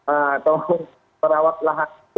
atau perawat lahan itu